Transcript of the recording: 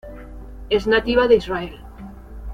Es nativa de Israel.